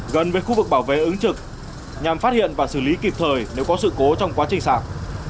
gần với khu vực bảo vệ ứng trực nhằm phát hiện và xử lý kịp thời nếu có sự cố trong quá trình sạc